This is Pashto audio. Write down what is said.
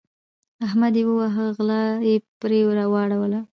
احمد يې وواهه؛ غلا يې پر واړوله.